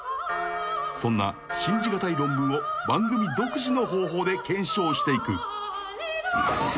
［そんな信じ難い論文を番組独自の方法で検証していく］